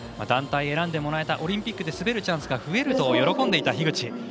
団体に選んでもらえたオリンピックで滑るチャンスが増えると喜んでいた樋口。